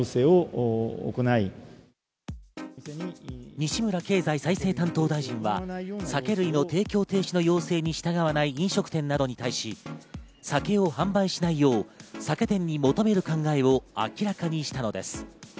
西村経済再生担当大臣は、酒類の提供停止の要請に従わない飲食店などに対し、酒を販売しないよう酒店に求める考えを明らかにしたのです。